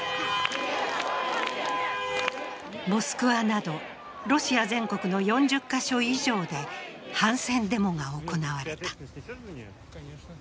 モスクワなどロシア全国の４０カ所以上で反戦デモが行われた。